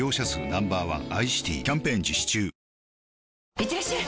いってらっしゃい！